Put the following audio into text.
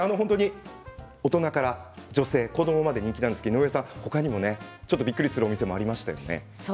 大人から女性、子どもまで人気なんですが井上さん他にもちょっとびっくりするお店がありましたね。